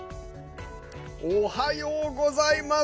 おはようございます。